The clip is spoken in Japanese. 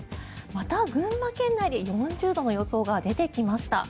また、群馬県内で４０度の予想が出てきました。